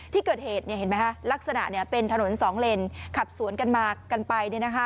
ที่เกิดเหตุลักษณะเป็นถนนสองเล่นขับสวนกันมากันไป